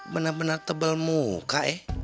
bener bener tebel muka ya